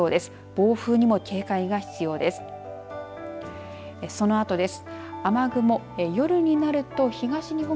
暴風にも警戒が必要です。